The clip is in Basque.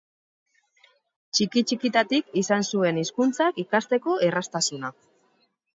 Txiki-txikitatik izan zuen hizkuntzak ikasteko erraztasuna.